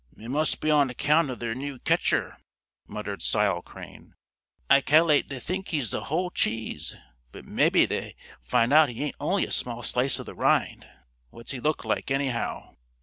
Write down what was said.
"It must be on account of their new ketcher," muttered Sile Crane. "I cal'late they think he's the whole cheese; but mebbe they'll find aout he ain't only a small slice of the rind. What's he look like, anyhaow?"